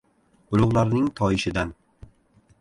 Ulug‘larning toyishidan!..